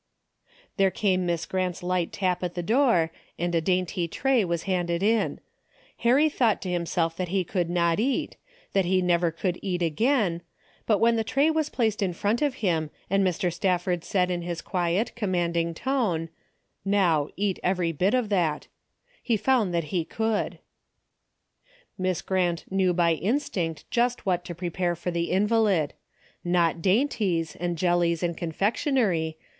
There came Miss Grant's light tap at the door, and a dainty tray was handed in. Harry thought to himself that he could not eat, that he never could eat again, but when the tray was placed in front of him, and Mr. Stafford said in his quiet, commanding voice, " How eat every bit of that," he found that he could. Miss Grant knew by instinct just what to prepare for the invalid. Hot dainties, and jellies and confectionery.